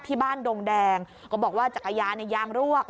ที่บ้านดงแดงก็บอกว่าจักรยายางรวก